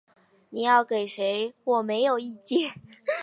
你要给谁我没有意见